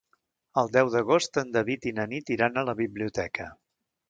El deu d'agost en David i na Nit iran a la biblioteca.